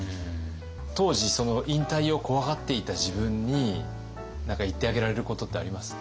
当時引退を怖がっていた自分に何か言ってあげられることってあります？